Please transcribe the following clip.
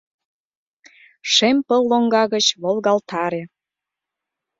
Шем пыл лоҥга гыч волгалтаре